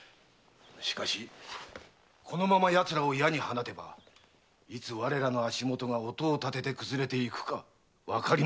しかしこのまま奴らを野に放てばいつ我らの足元が音をたてて崩れていくかわかりませぬぞ。